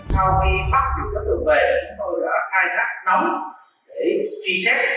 sau khi bắt được đối tượng về chúng tôi đã khai thác nóng để truy xếp